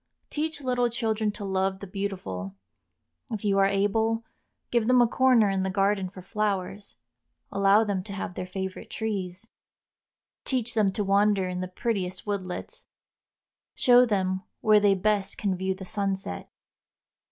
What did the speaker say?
Teach little children to love the beautiful. If you are able, give them a corner in the garden for flowers, allow them to have their favorite trees. Teach them to wander in the prettiest woodlets, show them where they best can view the sunset.